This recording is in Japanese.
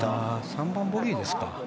３番、ボギーですか。